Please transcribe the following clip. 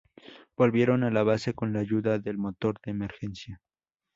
Volvieron a la base con la ayuda del motor de emergencia.